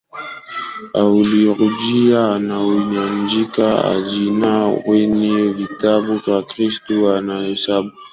au liturujia yao ingawa haijaandikwa kwenye vitabu Wakristo wanahesabu